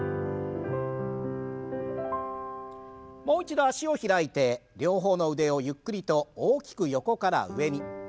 もう一度脚を開いて両方の腕をゆっくりと大きく横から上に。